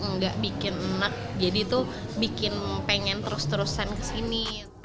nggak bikin enak jadi itu bikin pengen terus terusan kesini